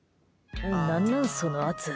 何なん、その圧。